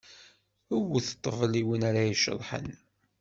Wwet ṭṭbel i win ar a iceḍḥen.